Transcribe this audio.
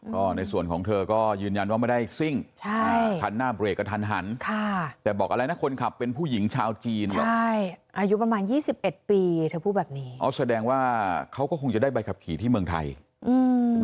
ก็ในส่วนของเธอก็ยืนยันว่าไม่ได้ซิ่งใช่คันหน้าเบรกกระทันหันค่ะแต่บอกอะไรนะคนขับเป็นผู้หญิงชาวจีนเหรอใช่อายุประมาณยี่สิบเอ็ดปีเธอพูดแบบนี้อ๋อแสดงว่าเขาก็คงจะได้ใบขับขี่ที่เมืองไทยอืม